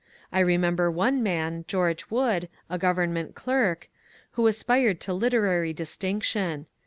I remember one man, George Wood, a government clerk, who aspired to literary distinction.